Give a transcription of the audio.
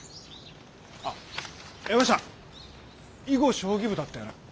あっ山下囲碁将棋部だったよな。